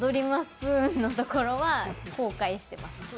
プーンのところは後悔してます。